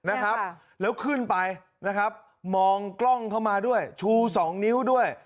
นะครับแล้วขึ้นไปนะครับมองกล้องเข้ามาด้วยชูสองนิ้วด้วย